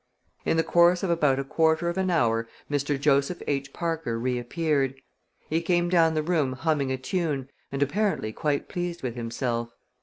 In the course of about a quarter of an hour Mr. Joseph H. Parker reappeared. He came down the room humming a tune and apparently quite pleased with himself.